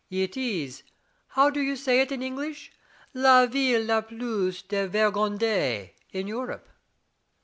" It is — how do you say it in English? — la ville la plus divergondie in Europe."